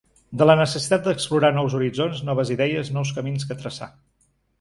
De la necessitat d’explorar nous horitzons, noves idees, nous camins que traçar.